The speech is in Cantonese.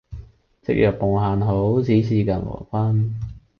夕陽無限好，只是近黃昏。